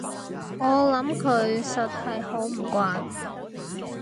我諗佢實係好唔慣